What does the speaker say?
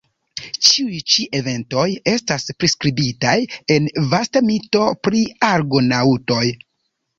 Ĉiuj ĉi eventoj estas priskribitaj en vasta mito pri Argonaŭtoj.